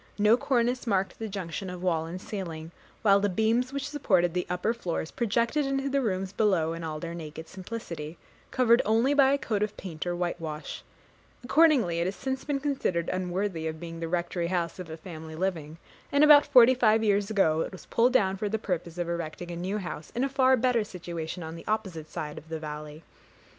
No cornice marked the junction of wall and ceiling; while the beams which supported the upper floors projected into the rooms below in all their naked simplicity, covered only by a coat of paint or whitewash: accordingly it has since been considered unworthy of being the Rectory house of a family living, and about forty five years ago it was pulled down for the purpose of erecting a new house in a far better situation on the opposite side of the valley.